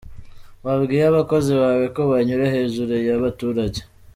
Wabwiye abakozi bawe ko banyura hejuru ya baturage.